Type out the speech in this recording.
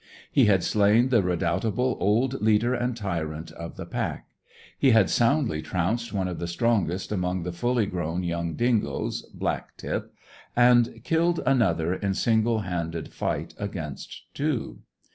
He had slain the redoubtable old leader and tyrant of the pack. He had soundly trounced one of the strongest among the fully grown young dingoes, Black tip, and killed another in single handed fight against two.